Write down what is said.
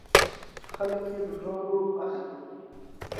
خلک یې له نورو اخلي .